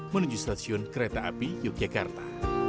menuju stasiun kereta api yogyakarta